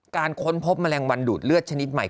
การค้นพบมะแรงวันดูดเลือดชนิดใหม่